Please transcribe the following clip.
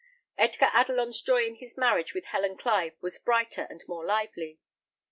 Edgar Adelon's joy in his marriage with Helen Clive was brighter and more lively.